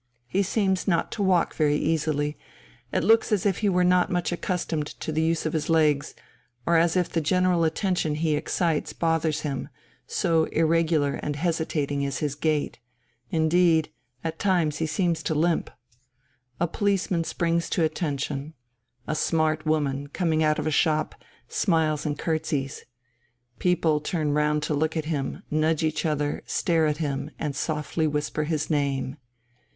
He seems not to walk very easily; it looks as if he were not much accustomed to the use of his legs, or as if the general attention he excites bothers him, so irregular and hesitating is his gait; indeed, at times he seems to limp. A policeman springs to attention, a smart woman, coming out of a shop, smiles and curtseys. People turn round to look at him, nudge each other, stare at him, and softly whisper his name....